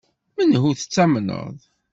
Menhu tettamneḍ?